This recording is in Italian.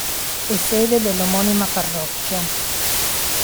È sede dell'omonima parrocchia.